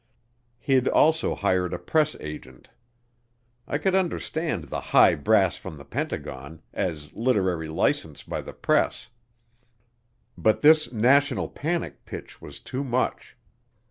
He'd also hired a press agent. I could understand the "high brass from the Pentagon" as literary license by the press, but this "national panic" pitch was too much.